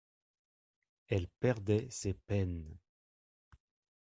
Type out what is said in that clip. Elle perdait ses peines.